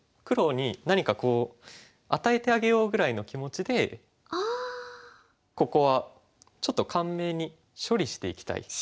黒に何かこう与えてあげようぐらいの気持ちでここはちょっと簡明に処理していきたい。